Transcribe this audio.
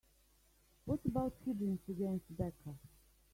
What about Higgins against Becca?